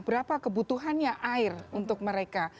berapa kebutuhannya air untuk mereka